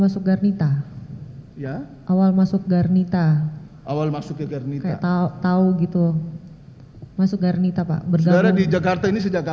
saya sudah di jakarta